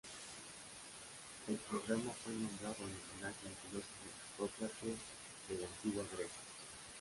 El programa fue nombrado en homenaje al filósofo Sócrates de la Antigua Grecia.